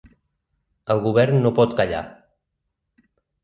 El govern no pot callar.